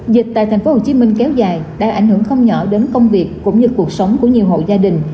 dịch tại tp hcm kéo dài đã ảnh hưởng không nhỏ đến công việc cũng như cuộc sống của nhiều hộ gia đình